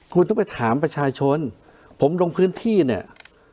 คุณต้องไปถามประชาชนผมลงพื้นที่เนี่ย